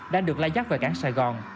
đang được lai dắt về cảng sài gòn